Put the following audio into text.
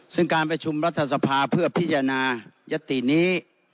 ซึ่งการประชุมรัฐสภาเพื่อพิจารณายตินี้